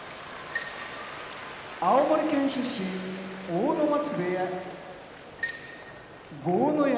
青森県出身阿武松部屋豪ノ山